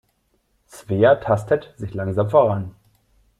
Svea tastet sich langsam voran.